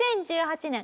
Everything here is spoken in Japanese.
２０１８年